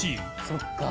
「そっか」